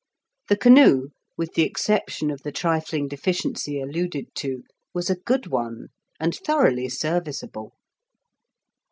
The canoe, with the exception of the trifling deficiency alluded to, was a good one, and thoroughly serviceable.